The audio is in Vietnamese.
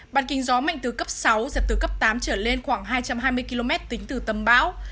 bàn kinh gió mạnh từ cấp sáu giật từ cấp tám trở lên khoảng hai trăm hai mươi km tính từ tâm bão